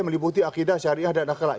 meliputi akidah syariah dan akhlak